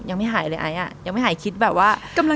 ยังไม่หายเลยไอ้อ่ะยังไม่หายคิดแบบว่า